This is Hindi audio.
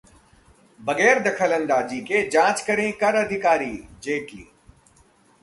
बगैर दखलअंदाजी के जांच करें कर अधिकारी: जेटली